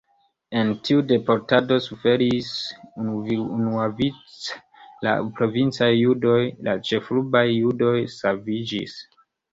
En tiu deportado suferis unuavice la provincaj judoj, la ĉefurbaj judoj saviĝis.